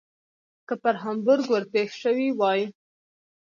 که پر هامبورګ ور پیښ شوي وای.